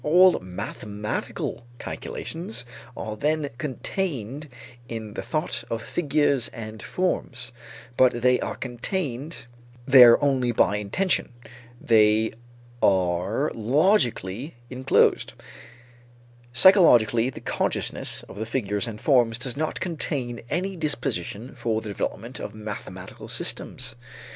All mathematical calculations are then contained in the thought of figures and forms, but they are contained there only by intention, they are logically inclosed; psychologically the consciousness of the figures and forms does not contain any disposition for the development of mathematical systems.